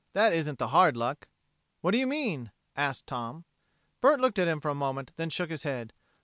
"That isn't the hard luck." "What do you mean?" asked Tom. Bert looked at him for a moment, then shook his head.